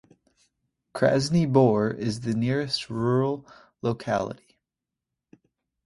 Krasny Bor is the nearest rural locality.